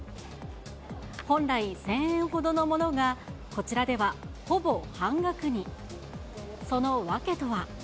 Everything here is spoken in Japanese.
本来、１０００円ほどのものが、こちらではほぼ半額に。